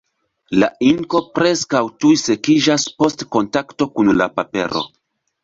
La inko preskaŭ tuj sekiĝas post kontakto kun la papero.